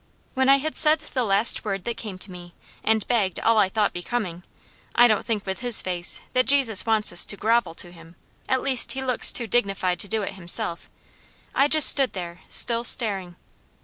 When I had said the last word that came to me, and begged all I thought becoming I don't think with His face, that Jesus wants us to grovel to Him, at least He looks too dignified to do it Himself I just stood there, still staring.